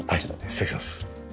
失礼します。